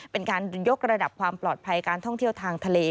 เป็นการยกระดับความปลอดภัยการท่องเที่ยวทางทะเล